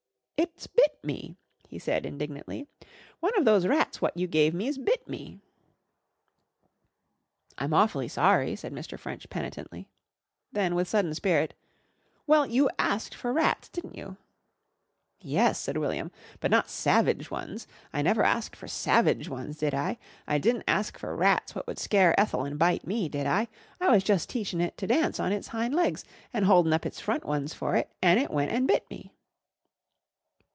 "It's bit me," he said indignantly. "One of those rats what you gave me's bit me." "I'm awfully sorry," said Mr. French penitently. Then, with sudden spirit, "Well, you asked for rats, didn't you?" "Yes," said William. "But not savage ones. I never asked for savage ones, did I? I di'n't ask for rats what would scare Ethel and bite me, did I? I was jus' teaching it to dance on its hind legs an' holding up its front ones for it an' it went an' bit me."